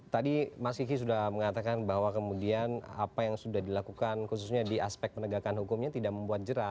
tadi mas kiki sudah mengatakan bahwa kemudian apa yang sudah dilakukan khususnya di aspek penegakan hukumnya tidak membuat jerah